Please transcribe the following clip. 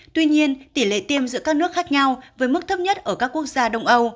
tuy nhiên tỷ lệ tiêm giữa các nước khác nhau với mức thấp nhất ở các quốc gia đông âu